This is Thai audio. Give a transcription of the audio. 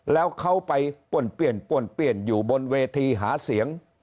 แล้วเขาไปป้วนเปลี่ยนป้วนเปลี่ยนอยู่บนเวทีหาเสียง